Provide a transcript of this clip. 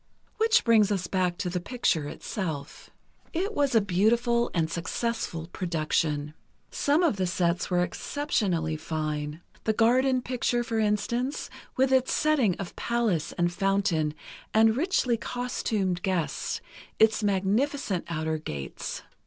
Which brings us back to the picture itself. It was a beautiful and successful production. Some of the sets were especially fine: The garden picture, for instance, with its setting of palace and fountain and richly costumed guests, its magnificent outer gates.